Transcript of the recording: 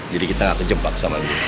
jadi kita gak kejebak sama ibu